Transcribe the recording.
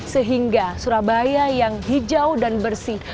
sehingga surabaya yang hijau dan bersih